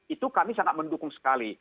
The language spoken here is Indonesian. itu kami sangat mendukung sekali